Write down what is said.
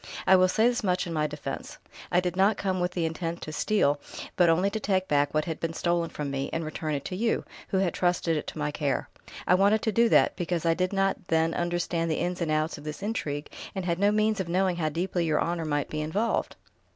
"I will say this much in my defence: I did not come with intent to steal, but only to take back what had been stolen from me, and return it to you, who had trusted it to my care. I wanted to do that, because I did not then understand the ins and outs of this intrigue, and had no means of knowing how deeply your honour might be involved."